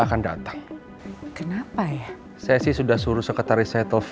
anto kita disiap